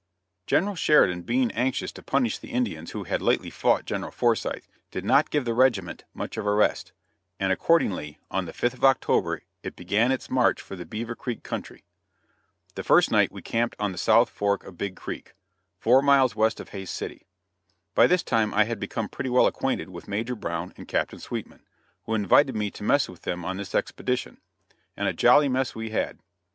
General Sheridan, being anxious to punish the Indians who had lately fought General Forsyth, did not give the regiment much of a rest, and accordingly on the 5th of October it began its march for the Beaver Creek country. The first night we camped on the South fork of Big Creek, four miles west of Hays City. By this time I had become pretty well acquainted with Major Brown and Captain Sweetman, who invited me to mess with them on this expedition; and a jolly mess we had.